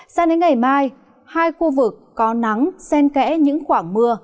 sao đến ngày mai hai khu vực có nắng xen kẽ những khoảng mưa